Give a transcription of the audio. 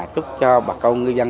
chúc cho bà công ngư dân